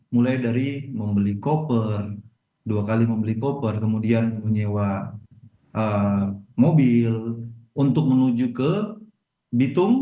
mulai dari membeli koper dua kali membeli koper kemudian menyewa mobil untuk menuju ke bitung